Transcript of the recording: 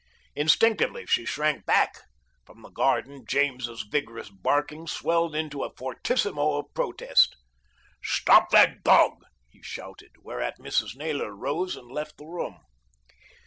Instinctively she shrank back. From the garden James's vigorous barking swelled out into a fortissimo of protest. "Stop that dog," he shouted, whereat Mrs. Naylor rose and left the room.